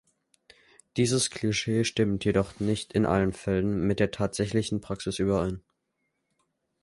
Dieses Klischee stimmt jedoch nicht in allen Fällen mit der tatsächlichen Praxis überein.